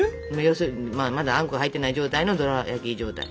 要するにまだあんこ入ってない状態のドラやき状態。